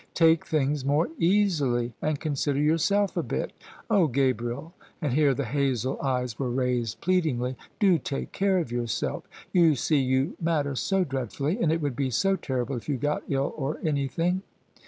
"Take things more easily, and consider yourself a bit. Ohl Gabriel," and here the hazel eyes were raised plead ingly, "do take care of yourself: you see, you matter so dreadfully, and it would be so terrible if you got ill or anything."